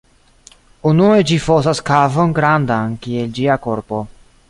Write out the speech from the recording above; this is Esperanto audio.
Unue ĝi fosas kavon grandan kiel ĝia korpo.